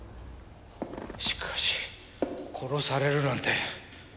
しかし殺されるなんて一体誰が！？